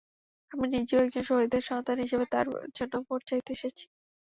আমি নিজেও একজন শহীদের সন্তান হিসেবে তাঁর জন্য ভোট চাইতে এসেছি।